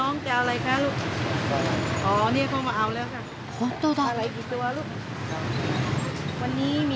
本当だ。